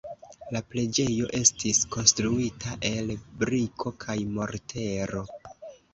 La preĝejo estis konstruita el briko kaj mortero.